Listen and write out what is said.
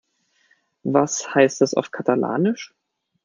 Was heißt das auf Katalanisch?